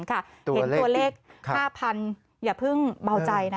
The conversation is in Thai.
เห็นตัวเลข๕๐๐๐อย่าเพิ่งเบาใจนะ